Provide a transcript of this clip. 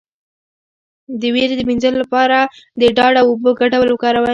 د ویرې د مینځلو لپاره د ډاډ او اوبو ګډول وکاروئ